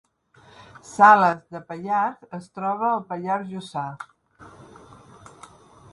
Salàs de Pallars es troba al Pallars Jussà